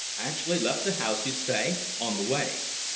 "Actually left the house, you say, on the way.